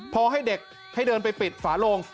พอให้เด็กให้เดินไปปิดฝาโลง